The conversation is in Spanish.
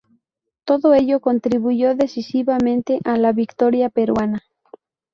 Todo ello contribuyó decisivamente a la victoria peruana.